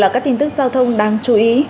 các tin tức giao thông đáng chú ý